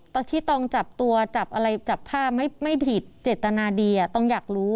ตอนที่ต้องจับตัวจับอะไรจับผ้าไม่ผิดเจตนาดีตองอยากรู้